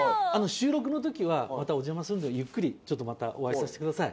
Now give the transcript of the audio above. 収録の時はまたお邪魔するのでゆっくりちょっとまたお会いさせてください。